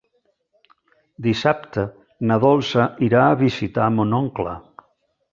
Dissabte na Dolça irà a visitar mon oncle.